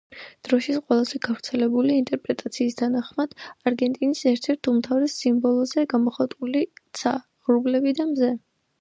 დროშის ყველაზე გავრცელებული ინტერპრეტაციის თანახმად, არგენტინის ერთ-ერთ უმთავრეს სიმბოლოზე გამოხატულია ცა, ღრუბლები და მზე.